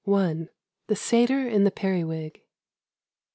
THE SATYR IN THE PERIWIG.